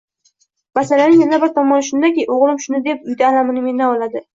Masalaning yana bir tomoni shundaki, o‘g‘lim shuni deb uyda alamini mendan oladi.